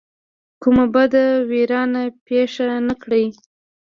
کومه بده ویرانه پېښه نه کړي.